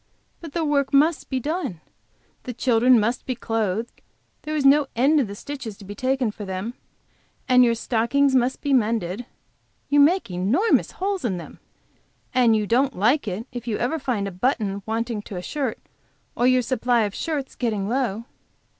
But the work must be done. The children must be clothed, there is no end to the stitches to be taken for them, and your stockings must be mended you make enormous holes in them! and you don't like it if you ever find a button wanting to a shirt or your supply of shirts getting low."